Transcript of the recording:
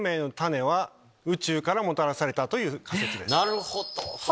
なるほど。